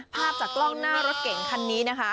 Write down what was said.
ภาพจากกล้องหน้ารถเก่งคันนี้นะคะ